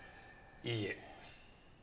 いいえ。